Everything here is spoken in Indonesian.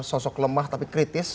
sosok lemah tapi kritis